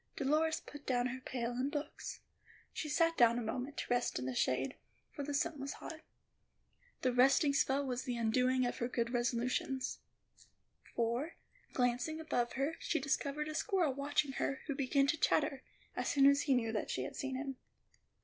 Dolores put down her pail and books. She sat down a moment to rest in the shade, for the sun was hot. That resting spell was the undoing of her good resolutions; for, glancing above her, she discovered a squirrel watching her, who began to chatter, as soon as he knew that she had seen him.